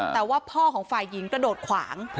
แต่ว่าพ่อของฝ่ายหญิงกระโดดขวาง